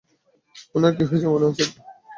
ওনার কী হয়েছে মনে আছে তো?